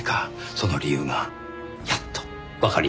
その理由がやっとわかりました。